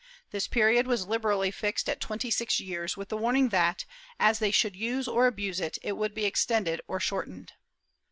This period was liberally fixed at twenty six years, with the warning that, as they should use or abuse it, it would be extended or shortened.